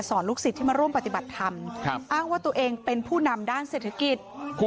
ลูกศิษย์ที่มาร่วมปฏิบัติธรรมอ้างว่าตัวเองเป็นผู้นำด้านเศรษฐกิจ